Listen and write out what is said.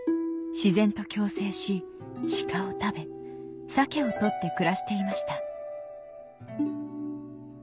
自然と共生しシカを食べサケをとって暮らしていました